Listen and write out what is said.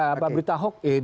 kalau itu berita hok